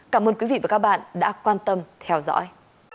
cảm ơn quý vị và các bạn đã quan tâm theo dõi